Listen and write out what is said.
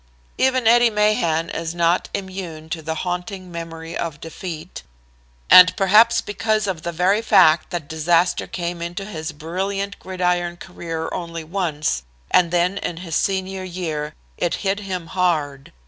Even Eddie Mahan is not immune to the haunting memory of defeat, and perhaps because of the very fact that disaster came into his brilliant gridiron career only once, and then in his senior year, it hit him hard.